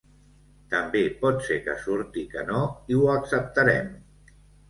També pot ser que surti que no, i ho acceptarem.